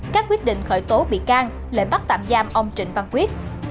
các quyết định khởi tố bị can lệnh bắt tạm giam ông trịnh văn quyết